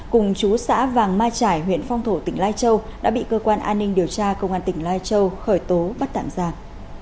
cùng chú xã vàng mai trải huyện phong thổ tỉnh lai châu đã bị cơ quan an ninh điều tra công an tỉnh lai châu khởi tố bắt tạm giam